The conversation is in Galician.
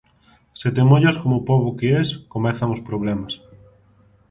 Se te mollas como pobo que es, comezan os problemas.